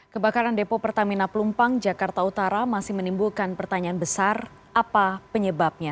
kebakaran depo pertamina pelumpang jakarta utara masih menimbulkan pertanyaan besar apa penyebabnya